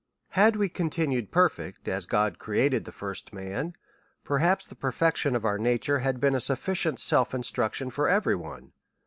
Had we continued perfect, ns God created the first man, perhaps the perfection of our nature had been a sufficient self instruction for every one.